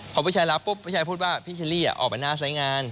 พอพี่ชายรับปุ๊บผู้ชายพูดว่าพี่เชอรี่ออกไปหน้าไซส์งาน